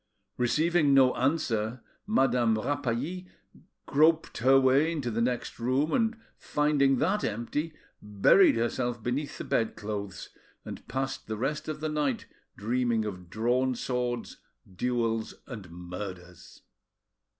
Receiving no answer, Madame Rapally groped her way into the next room, and finding that empty, buried herself beneath the bedclothes, and passed the rest of the night dreaming of drawn swords, duels, and murders.